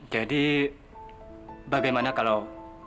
jadi bagaimana kalau